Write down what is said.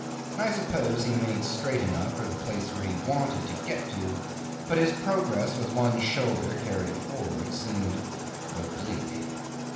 I suppose he made straight enough for the place where he wanted to get to, but his progress with one shoulder carried forward seemed oblique.